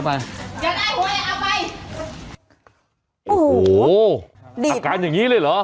โอ้โหอาการอย่างนี้เลยเหรอ